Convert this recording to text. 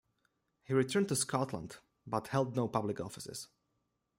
He returned to Scotland but held no public offices.